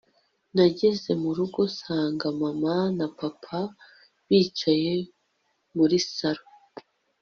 nageze murugo nsanga mama na papa bicaye muri salon